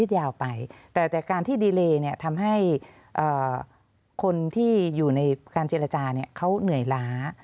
แต่การที่ดีเลย์ทำให้คนที่อยู่ในการเจรจาเขาเหนื่อยล้า